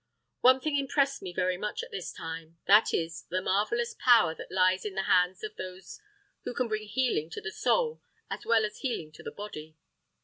One thing impressed me very much at this time, viz., the marvellous power that lies in the hands of those who can bring healing to the soul as well as healing to the body.